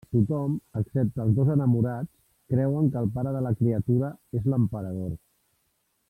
Tothom excepte els dos enamorats creuen que el pare de la criatura és l'Emperador.